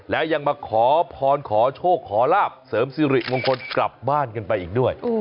แล้วยังมาขอพรขอโชคขอลาบเสริมสิริมงคลกลับบ้านกันไปอีกด้วย